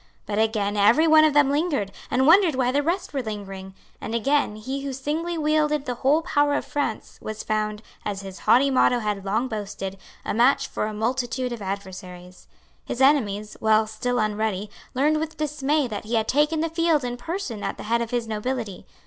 But again every one of them lingered, and wondered why the rest were lingering; and again he who singly wielded the whole power of France was found, as his haughty motto had long boasted, a match for a multitude of adversaries. His enemies, while still unready, learned with dismay that he had taken the field in person at the head of his nobility.